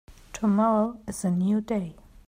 Tomorrow is a new day.